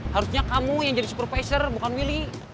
harusnya kamu yang jadi supervisor bukan milih